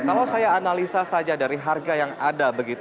kalau saya analisa saja dari harga yang ada begitu